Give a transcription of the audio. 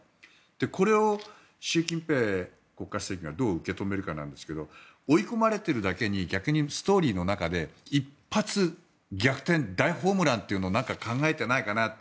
これを習近平国家主席がどう受け止めるかなんですけど追い込まれてるだけにストーリーの中で一発逆転大ホームランというのを何か考えてないかなって